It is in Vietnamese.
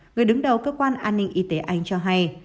người đứng đầu cơ quan an ninh y tế anh cho hay